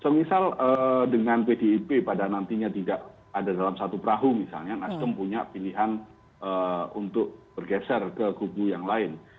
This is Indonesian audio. semisal dengan pdip pada nantinya tidak ada dalam satu perahu misalnya nasdem punya pilihan untuk bergeser ke kubu yang lain